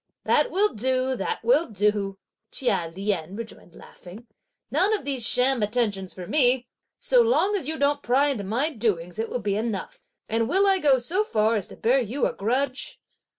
"That will do, that will do!" Chia Lien rejoined laughing, "none of these sham attentions for me! So long as you don't pry into my doings it will be enough; and will I go so far as to bear you a grudge?"